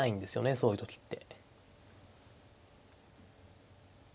そういう時って。